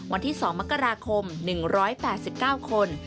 วันที่๒มกราคม๑๘๙คน